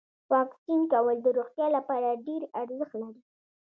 واکسین کول د روغتیا لپاره ډیر ارزښت لري.